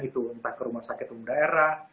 entah ke rumah sakit umum daerah